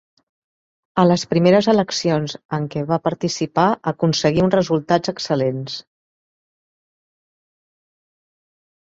A les primeres eleccions en què va participar aconseguí uns resultats excel·lents.